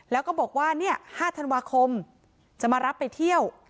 แล้วก็บอกว่า๕ธันวาคมจะมารับไปเที่ยว